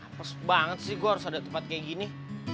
pas banget sih gue harus ada tempat kayak gini